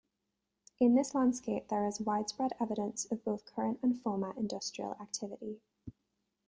In this landscape there is widespread evidence of both current and former industrial activity.